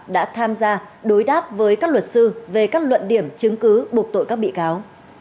đã tham gia đối đáp với các luật sư về các luận điểm chứng cứ buộc tội các bị cáo